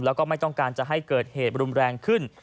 แล้วก็ไม่ต้องการจะให้เกิดเหตุรุนแรงขึ้น